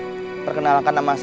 ibu perkenalkan nama